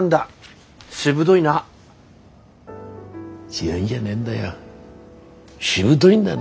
強いんじゃねえんだよ。